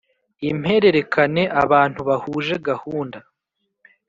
impererekane (abantu bahuje gahunda)